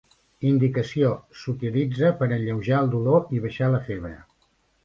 Indicació: S"utilitza per alleujar el dolor i baixar la febre.